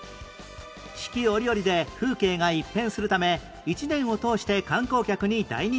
四季折々で風景が一変するため１年を通して観光客に大人気